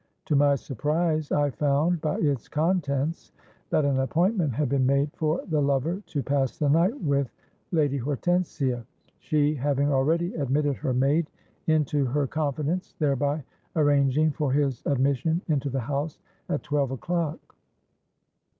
To my surprise I found, by its contents, that an appointment had been made for the lover to pass the night with Lady Hortensia, she having already admitted her maid into her confidence, thereby arranging for his admission into the house at twelve o'clock.